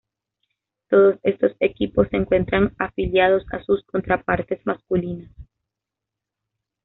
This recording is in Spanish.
Todos estos equipos se encuentran afiliados a sus contrapartes masculinas.